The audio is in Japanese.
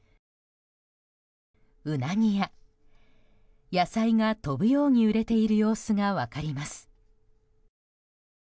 うなぎや、野菜が飛ぶように売れている様子が分かります。